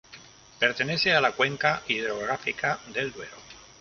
Pertenece a la cuenca hidrográfica del Duero.